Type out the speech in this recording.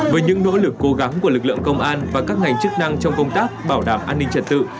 với những nỗ lực cố gắng của lực lượng công an và các ngành chức năng trong công tác bảo đảm an ninh trật tự